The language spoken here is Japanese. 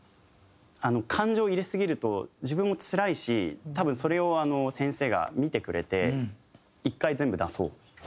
感情を入れすぎると自分もつらいし多分それを先生が見てくれて「１回全部出そう」っていう。